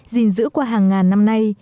dình dữ qua hàng ngàn năm nay